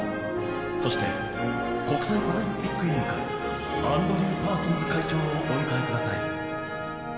そして国際パラリンピック委員会アンドリュー・パーソンズ会長をお迎えください。